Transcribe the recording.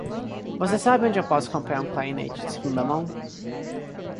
Você sabe onde eu posso comprar um clarinete de segunda mão?